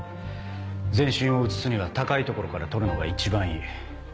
全身を写すには高い所から撮るのが一番いい。